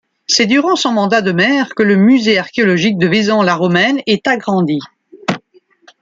C'est durant son mandat de maire que le Musée archéologique de Vaison-la-Romaine est agrandi.